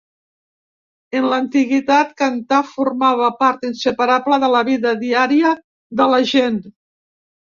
En l’antiguitat, cantar formava part inseparable de la vida diària de la gent.